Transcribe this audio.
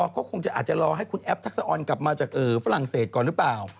ก็คงจะอาจจะรอให้คุณแอฟทักษะออนกลับมาจากฝรั่งเศสก่อนหรือเปล่า